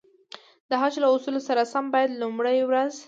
د حج له اصولو سره سم باید لومړی ورځ.